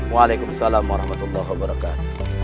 waalaikumsalam warahmatullahi wabarakatuh